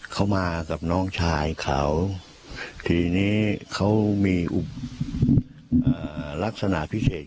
เขามากับน้องชายเขาทีนี้เขามีลักษณะพิเศษ